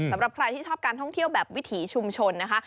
สำหรับใครที่ชอบการท่องเที่ยวแบบวิถีชุมชนนะคะ